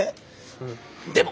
ううんでも。